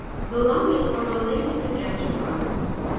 —Belonging or re lating to gasteropods.